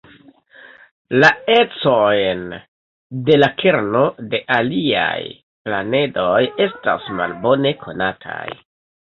La ecojn de la kerno de aliaj planedoj estas malbone konataj.